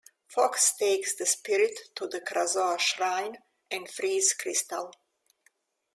Fox takes the spirit to the Krazoa Shrine and frees Krystal.